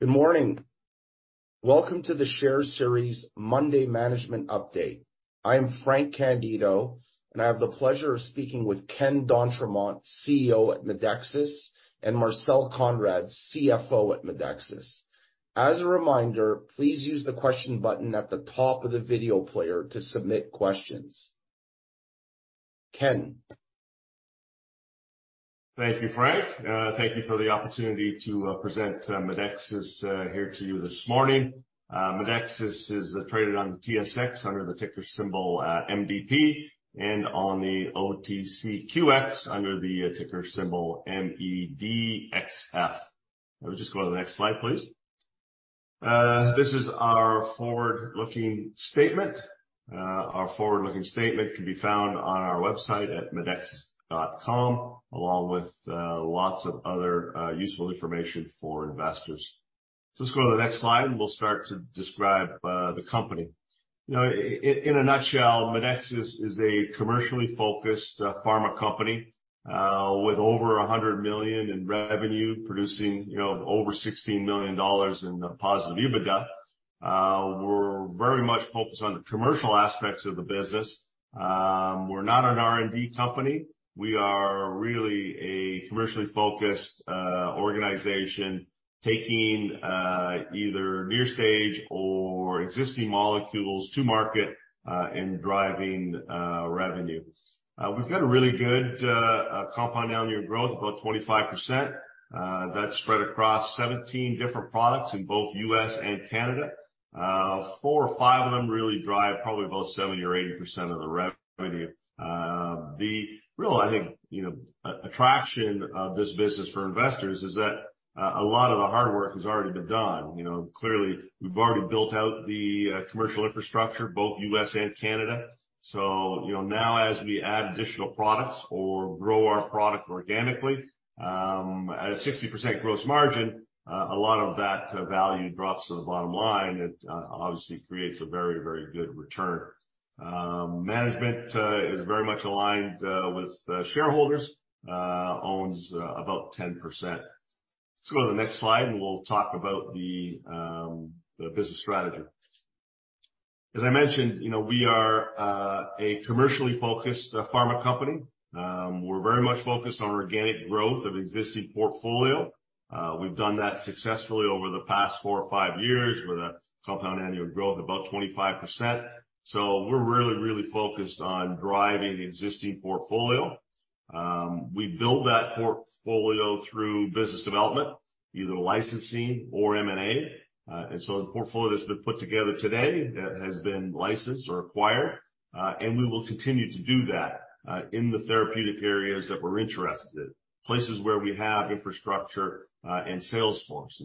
Good morning. Welcome to the Share Series Monday Management Update. I am Frank Candido, and I have the pleasure of speaking with Ken d'Entremont, CEO at Medexus, and Marcel Konrad, CFO at Medexus. As a reminder, please use the question button at the top of the video player to submit questions. Ken? Thank you, Frank. Thank you for the opportunity to present Medexus here to you this morning. Medexus is traded on the TSX under the ticker symbol MDP, and on the OTCQX under the ticker symbol MEDXF. Let me just go to the next slide, please. This is our forward-looking statement. Our forward-looking statement can be found on our website at medexus.com, along with lots of other useful information for investors. Let's go to the next slide, and we'll start to describe the company. You know, in a nutshell, Medexus is a commercially focused pharma company with over $100 million in revenue, producing, you know, over $16 million in positive EBITDA. We're very much focused on the commercial aspects of the business. We're not an R&D company. We are really a commercially focused organization, taking either near stage or existing molecules to market and driving revenue. We've got a really good compound annual growth, about 25%. That's spread across 17 different products in both U.S. and Canada. Four or five of them really drive probably about 70% or 80% of the revenue. The real, I think, you know, attraction of this business for investors is that a lot of the hard work has already been done. You know, clearly, we've already built out the commercial infrastructure, both U.S. and Canada. You know, now as we add additional products or grow our product organically, at a 60% gross margin, a lot of that value drops to the bottom line. It obviously creates a very, very good return. Management is very much aligned with the shareholders, owns about 10%. Let's go to the next slide, and we'll talk about the business strategy. As I mentioned, you know, we are a commercially focused pharma company. We're very much focused on organic growth of existing portfolio. We've done that successfully over the past four or five years with a compound annual growth of about 25%. We're really, really focused on driving the existing portfolio. We build that portfolio through business development, either licensing or M&A. The portfolio that's been put together today has been licensed or acquired, and we will continue to do that in the therapeutic areas that we're interested in, places where we have infrastructure and sales force.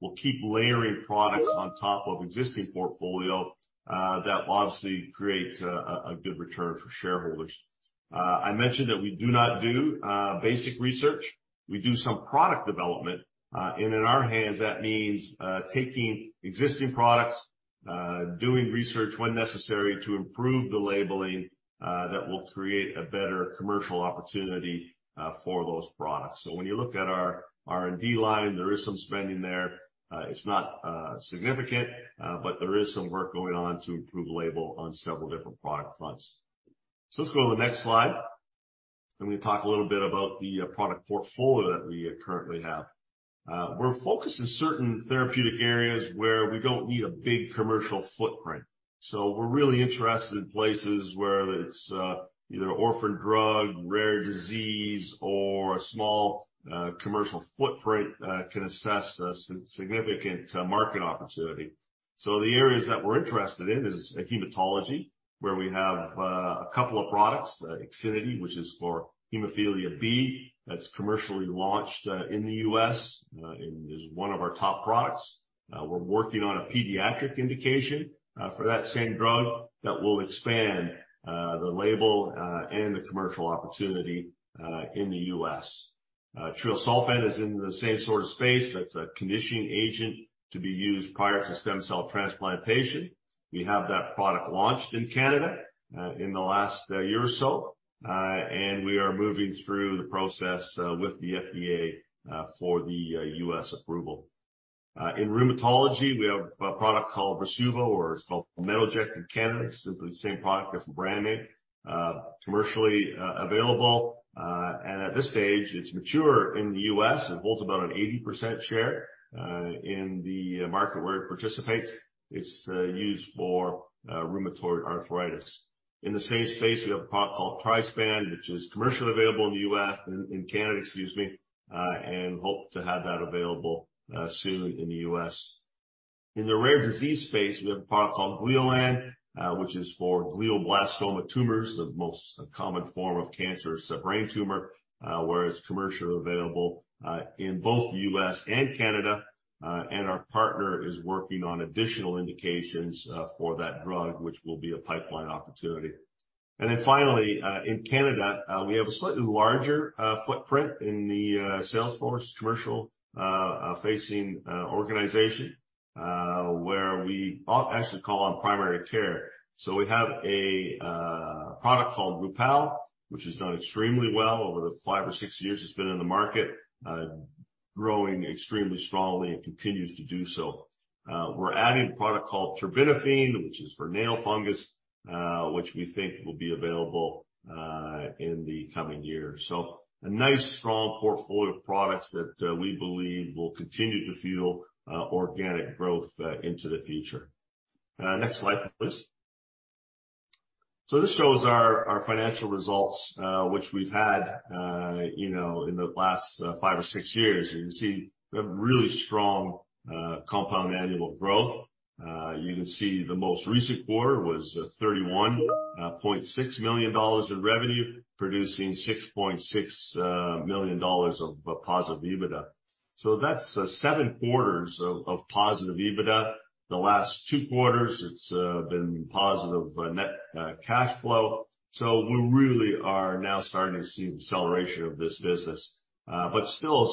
We'll keep layering products on top of existing portfolio, that will obviously create a good return for shareholders. I mentioned that we do not do basic research. We do some product development, and in our hands, that means taking existing products, doing research when necessary to improve the labeling, that will create a better commercial opportunity for those products. When you look at our R&D line, there is some spending there. It's not significant, but there is some work going on to improve label on several different product fronts. Let's go to the next slide, and we talk a little bit about the product portfolio that we currently have. We're focused on certain therapeutic areas where we don't need a big commercial footprint. We're really interested in places where it's either an orphan drug, rare disease, or a small commercial footprint, can assess a significant market opportunity. The areas that we're interested in is hematology, where we have a couple of products: IXINITY, which is for hemophilia B, that's commercially launched in the U.S., and is one of our top products. We're working on a pediatric indication for that same drug that will expand the label and the commercial opportunity in the U.S. Treosulfan is in the same sort of space. That's a conditioning agent to be used prior to stem cell transplantation. We have that product launched in Canada in the last year or so, and we are moving through the process with the FDA for the U.S. approval. In rheumatology, we have a product called Rasuvo, or it's called Metoject in Canada. It's simply the same product, different brand name, commercially available, and at this stage, it's mature in the U.S. It holds about an 80% share in the market where it participates. It's used for rheumatoid arthritis. In the same space, we have a product called Trispan, which is commercially available in the U.S., in Canada, excuse me, and hope to have that available soon in the U.S. In the rare disease space, we have a product called Gleolan, which is for glioblastoma tumors, the most common form of cancer, it's a brain tumor, where it's commercially available, in both the U.S. and Canada, and our partner is working on additional indications, for that drug, which will be a pipeline opportunity. Then finally, in Canada, we have a slightly larger, footprint in the, sales force, commercial, facing, organization. Where we all actually call on primary care. We have a, product called Rupall, which has done extremely well over the five or six years it's been in the market, growing extremely strongly and continues to do so. We're adding a product called terbinafine, which is for nail fungus, which we think will be available, in the coming year. A nice, strong portfolio of products that we believe will continue to fuel organic growth into the future. Next slide, please. This shows our financial results, which we've had, you know, in the last five or six years. You can see we have really strong compound annual growth. You can see the most recent quarter was $31.6 million in revenue, producing $6.6 million of positive EBITDA. That's seven quarters of positive EBITDA. The last two quarters, it's been positive net cash flow. We really are now starting to see the acceleration of this business, but still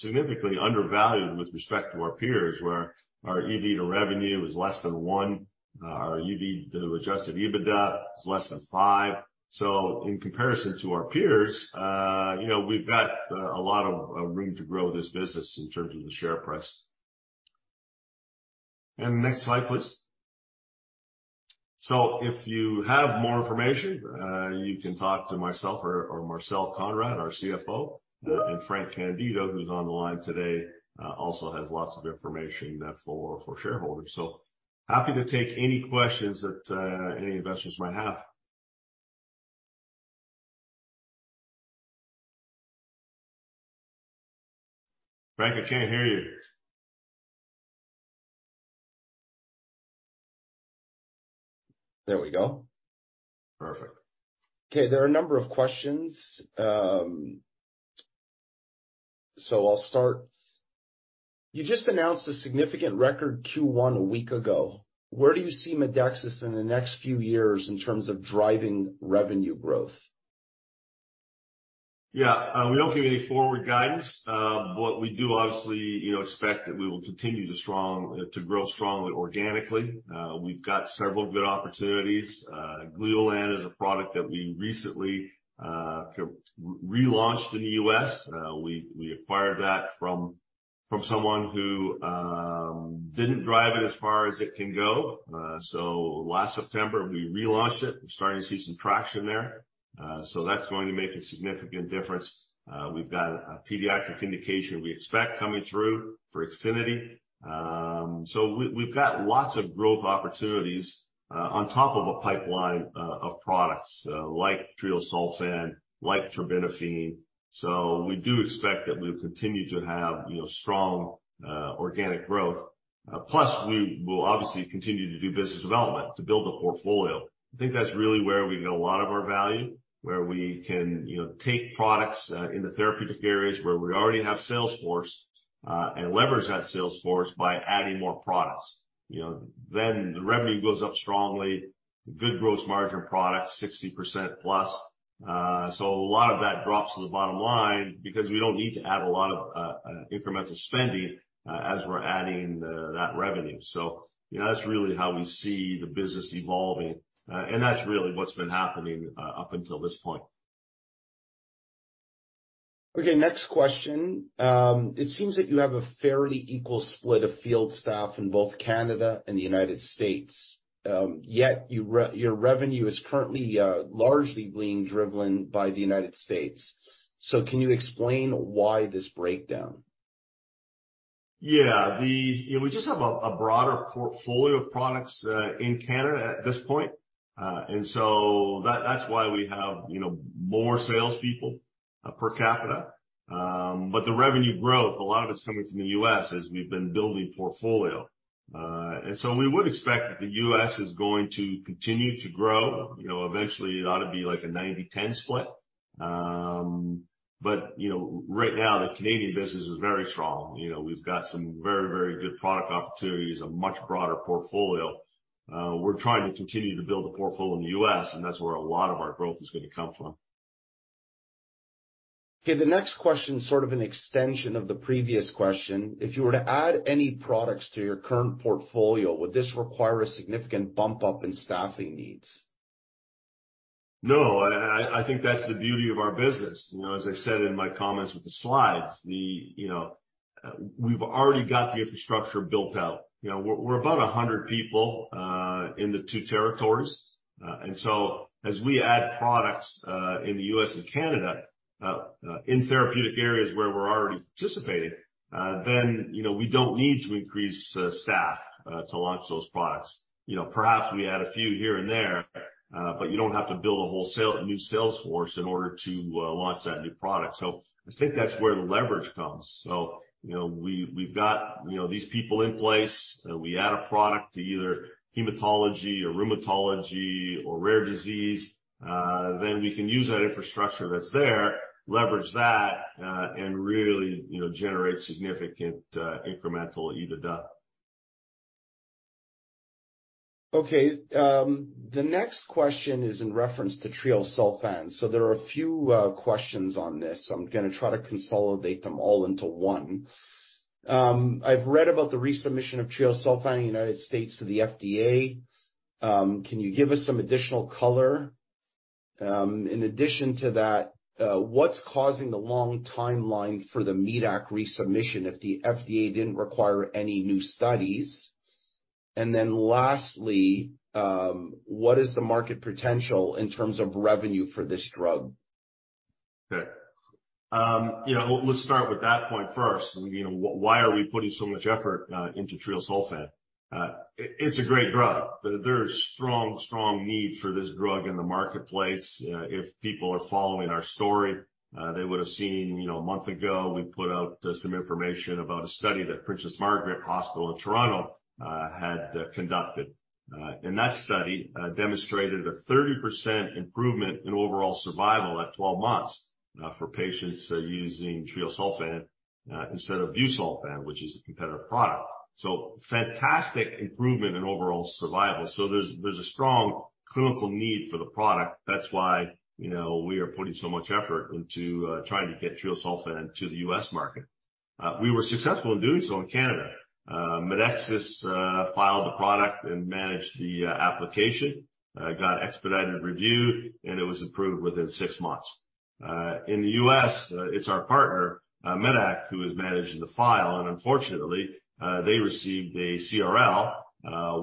significantly undervalued with respect to our peers, where our EV to revenue is less than one, our EV to Adjusted EBITDA is less than five. In comparison to our peers, you know, we've got a lot of room to grow this business in terms of the share price. Next slide, please. If you have more information, you can talk to myself or Marcel Konrad, our CFO, and Frank Candido, who's on the line today, also has lots of information for shareholders. Happy to take any questions that any investors might have. Frank, I can't hear you. There we go. Perfect. Okay, there are a number of questions. I'll start. You just announced a significant record Q1 a week ago. Where do you see Medexus in the next few years in terms of driving revenue growth? We don't give any forward guidance, but we do obviously, you know, expect that we will continue to grow strongly organically. We've got several good opportunities. Gleolan is a product that we recently, re-relaunched in the U.S. We, we acquired that from, from someone who didn't drive it as far as it can go. So last September, we relaunched it. We're starting to see some traction there, so that's going to make a significant difference. We've got a pediatric indication we expect coming through for IXINITY. So we- we've got lots of growth opportunities, on top of a pipeline of products, like Treosulfan, like terbinafine. We do expect that we'll continue to have, you know, strong, organic growth, plus we will obviously continue to do business development to build the portfolio. I think that's really where we get a lot of our value, where we can, you know, take products in the therapeutic areas, where we already have sales force, and leverage that sales force by adding more products. You know, then the revenue goes up strongly, good gross margin products, 60% plus. A lot of that drops to the bottom line because we don't need to add a lot of incremental spending as we're adding that revenue. You know, that's really how we see the business evolving, and that's really what's been happening up until this point. Okay, next question. It seems that you have a fairly equal split of field staff in both Canada and the United States. Your revenue is currently largely being driven by the United States. Can you explain why this breakdown? We just have a, a broader portfolio of products in Canada at this point. That- that's why we have, you know, more salespeople per capita. The revenue growth, a lot of it's coming from the U.S. as we've been building portfolio. We would expect that the U.S. is going to continue to grow. You know, eventually, it ought to be like a 90/10 split. You know, right now, the Canadian business is very strong. You know, we've got some very, very good product opportunities, a much broader portfolio. We're trying to continue to build a portfolio in the U.S., and that's where a lot of our growth is gonna come from. Okay, the next question is sort of an extension of the previous question. If you were to add any products to your current portfolio, would this require a significant bump up in staffing needs? No, I think that's the beauty of our business. You know, as I said in my comments with the slides, you know, we've already got the infrastructure built out. You know, we're about 100 people in the two territories. As we add products in the U.S. and Canada, in therapeutic areas where we're already participating, then, you know, we don't need to increase staff to launch those products. You know, perhaps we add a few here and there, but you don't have to build a wholesale new sales force in order to launch that new product. I think that's where the leverage comes. You know, we, we've got, you know, these people in place, and we add a product to either hematology or rheumatology or rare disease, then we can use that infrastructure that's there, leverage that, and really, you know, generate significant, incremental EBITDA.... Okay, the next question is in reference to Treosulfan. There are a few questions on this. I'm gonna try to consolidate them all into one. I've read about the resubmission of Treosulfan in the United States to the FDA. Can you give us some additional color? In addition to that, what's causing the long timeline for the medac resubmission if the FDA didn't require any new studies? Then lastly, what is the market potential in terms of revenue for this drug? Okay. You know, let's start with that point first. You know, why are we putting so much effort into treosulfan? It, it's a great drug. There's strong, strong need for this drug in the marketplace. If people are following our story, they would have seen, you know, a month ago, we put out some information about a study that Princess Margaret Cancer Centre in Toronto had conducted. That study demonstrated a 30% improvement in overall survival at 12 months for patients using treosulfan instead of Busulfan, which is a competitive product. So fantastic improvement in overall survival. So there's, there's a strong clinical need for the product. That's why, you know, we are putting so much effort into trying to get Treosulfan into the U.S. market. We were successful in doing so in Canada. Medexus filed the product and managed the application. It got expedited review, and it was approved within six months. In the U.S., it's our partner, medac, who is managing the file, and unfortunately, they received a CRL,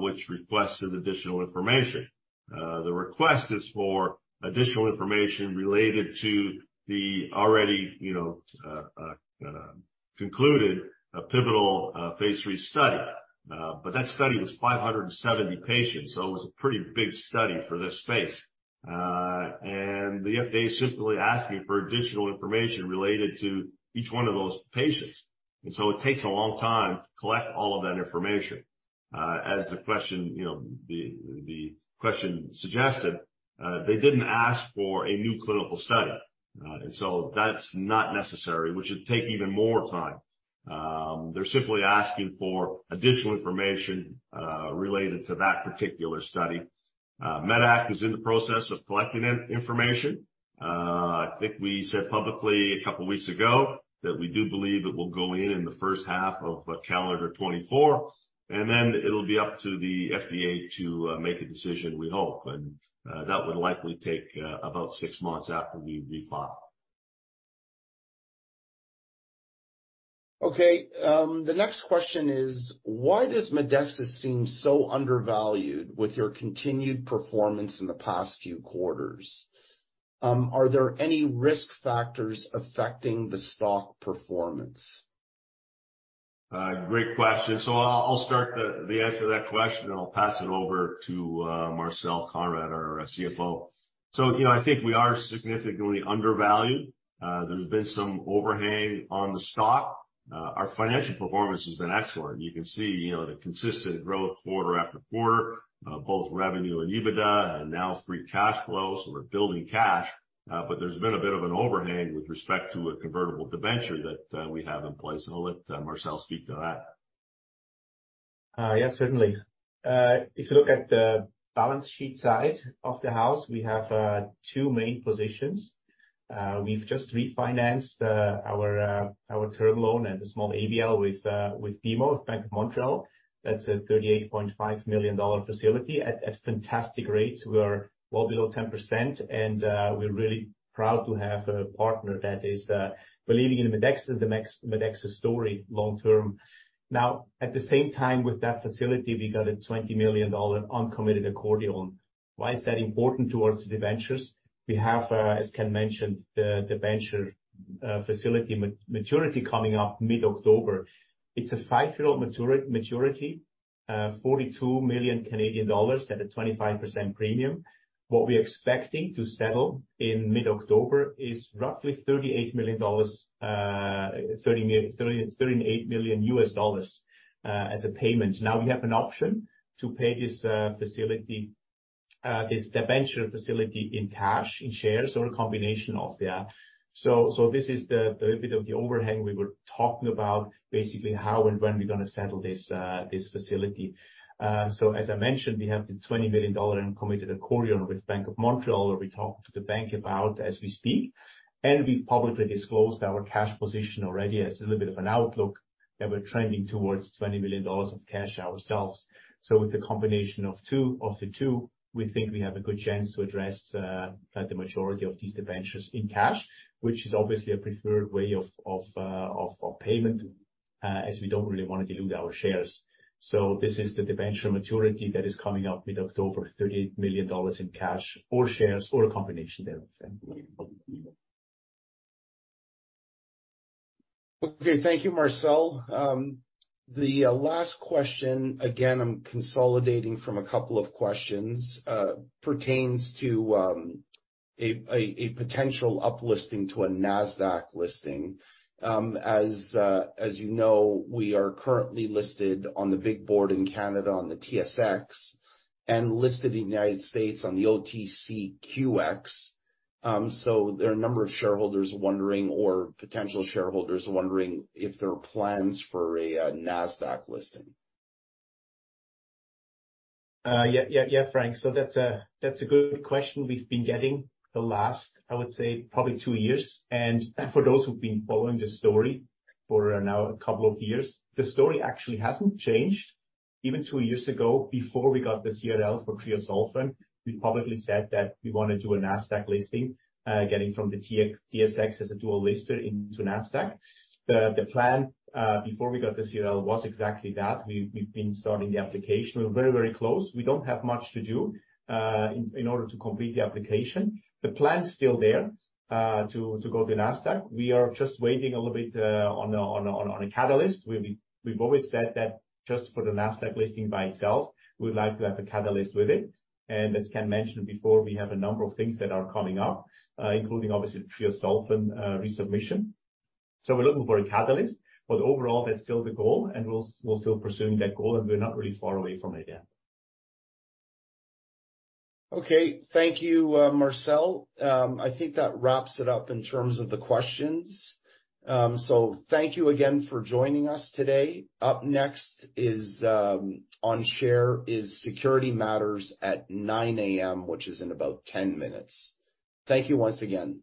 which requested additional information. The request is for additional information related to the already, you know, concluded, pivotal, phase III study. But that study was 570 patients, so it was a pretty big study for this space. And the FDA is simply asking for additional information related to each one of those patients, and so it takes a long time to collect all of that information. As the question, you know, the, the question suggested, they didn't ask for a new clinical study. That's not necessary, which would take even more time. They're simply asking for additional information related to that particular study. Medac is in the process of collecting information. I think we said publicly a couple of weeks ago that we do believe it will go in in the first half of calendar 2024, and then it'll be up to the FDA to make a decision, we hope. That would likely take about six months after we refile. Okay, the next question is: Why does Medexus seem so undervalued with your continued performance in the past few quarters? Are there any risk factors affecting the stock performance? Great question. I'll, I'll start the, the answer to that question, and I'll pass it over to Marcel Konrad, our CFO. You know, I think we are significantly undervalued. There's been some overhang on the stock. Our financial performance has been excellent. You can see, you know, the consistent growth quarter after quarter, both revenue and EBITDA and now free cash flow, so we're building cash. There's been a bit of an overhang with respect to a convertible debenture that we have in place, and I'll let Marcel speak to that. Yes, certainly. If you look at the balance sheet side of the house, we have two main positions. We've just refinanced our term loan and a small ABL with BMO, Bank of Montreal. That's a 38.5 million dollar facility at fantastic rates. We are well below 10%, and we're really proud to have a partner that is believing in Medexus, the Medexus story long term. Now, at the same time, with that facility, we got a 20 million dollar uncommitted accordion. Why is that important towards the ventures? We have, as Ken mentioned, the debenture facility maturity coming up mid-October. It's a five-year-old maturity, 42 million Canadian dollars at a 25% premium. What we're expecting to settle in mid-October is roughly $38 million, $38 million, as a payment. Now, we have an option to pay this facility, this debenture facility in cash, in shares, or a combination of that. So, so this is the, the bit of the overhang we were talking about, basically how and when we're gonna settle this facility. So as I mentioned, we have the $20 million uncommitted accordion with Bank of Montreal, where we talk to the bank about as we speak, and we've publicly disclosed our cash position already as a little bit of an outlook, that we're trending towards $20 million of cash ourselves. With a combination of two, of the two, we think we have a good chance to address the majority of these debentures in cash, which is obviously a preferred way of payment, as we don't really want to dilute our shares. This is the debenture maturity that is coming up mid-October, $38 million in cash or shares or a combination thereof. Okay. Thank you, Marcel. The last question, again, I'm consolidating from a couple of questions, pertains to a potential uplisting to a Nasdaq listing. As you know, we are currently listed on the big board in Canada, on the TSX, and listed in the United States on the OTCQX. There are a number of shareholders wondering, or potential shareholders wondering if there are plans for a Nasdaq listing. Yeah, yeah, yeah, Frank. That's a, that's a good question we've been getting the last, I would say, probably two years. For those who've been following the story for now a couple of years, the story actually hasn't changed. Even two years ago, before we got the CRL for treosulfan, we publicly said that we want to do a Nasdaq listing, getting from the TSX as a dual lister into Nasdaq. The, the plan, before we got the CRL, was exactly that. We've, we've been starting the application. We're very, very close. We don't have much to do, in, in order to complete the application. The plan is still there, to, to go to Nasdaq. We are just waiting a little bit, on a, on a, on a catalyst. We've, we've always said that just for the Nasdaq listing by itself, we'd like to have a catalyst with it. As Ken mentioned before, we have a number of things that are coming up, including obviously Treosulfan resubmission. We're looking for a catalyst. Overall, that's still the goal, and we'll, we're still pursuing that goal, and we're not really far away from it yet. Okay. Thank you, Marcel. I think that wraps it up in terms of the questions. Thank you again for joining us today. Up next is, on share, is Security Matters at 9:00 A.M., which is in about 10 minutes. Thank you once again.